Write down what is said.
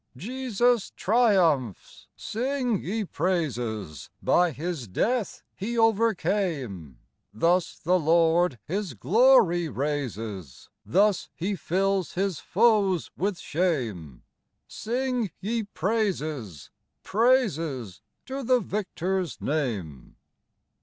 Jesus triumphs ! Sing ye praises : By His death he overcame : Thus the Lord His glory raises, Thus He fills His foes with shame. Sing ye praises, Praises to the Victor's name.